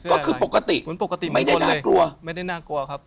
ก็คือปกติไม่ได้น่ากลัว